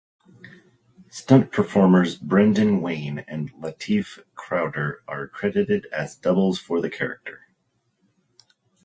Stunt performers Brendan Wayne and Lateef Crowder are credited as doubles for the character.